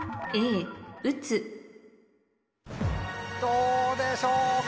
どうでしょうか？